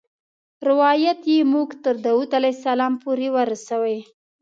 روایت یې موږ تر داود علیه السلام پورې ورسوي.